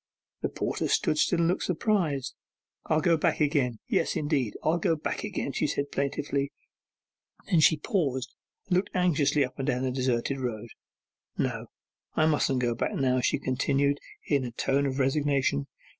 The porter stood still and looked surprised. 'I'll go back again; yes, indeed, I'll go back again!' she said plaintively. Then she paused and looked anxiously up and down the deserted road. 'No, I mustn't go back now,' she continued, in a tone of resignation.